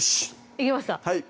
いけました？